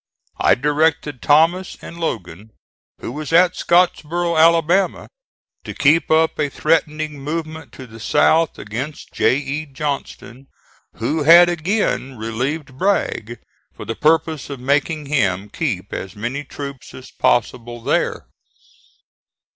I directed Thomas, and Logan who was at Scottsboro, Alabama, to keep up a threatening movement to the south against J. E. Johnston, who had again relieved Bragg, for the purpose of making him keep as many troops as possible there.